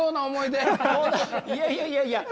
いやいやいやいや。